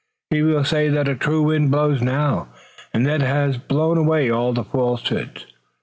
He will say that a true wind blows now, and that it has blown away all the falsehoods.